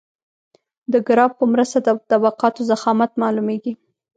د ګراف په مرسته د طبقاتو ضخامت معلومیږي